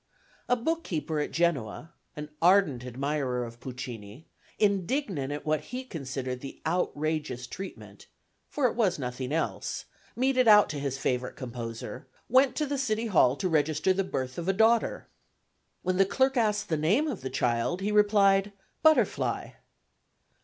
A bookkeeper at Genoa, an ardent admirer of Puccini, indignant at what he considered the outrageous treatment for it was nothing else meted out to his favourite composer, went to the City Hall to register the birth of a daughter. When the clerk asked the name of the child, he replied, "Butterfly."